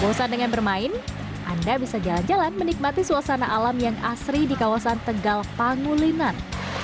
bosan dengan bermain anda bisa jalan jalan menikmati suasana alam yang asri di kawasan tegal pangulinan